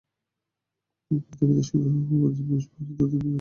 গতিবিধি সন্দেহ হওয়ায় বাজারের নৈশপ্রহরী তোতা মিয়া তাঁদের পরিচয় জানতে চান।